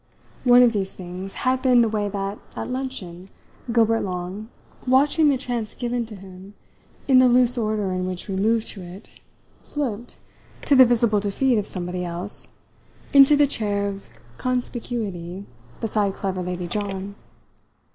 One of these things had been the way that, at luncheon, Gilbert Long, watching the chance given him by the loose order in which we moved to it, slipped, to the visible defeat of somebody else, into the chair of conspicuity beside clever Lady John.